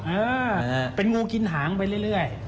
เออเป็นงูกินหางไปเรื่อย